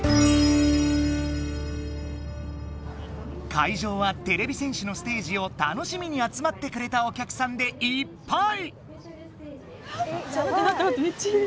会場はてれび戦士のステージを楽しみにあつまってくれたお客さんでいっぱい！